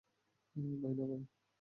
ভাই না ভাই।